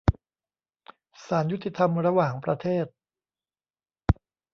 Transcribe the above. ศาลยุติธรรมระหว่างประเทศ